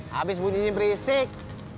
habis bunyinya berisik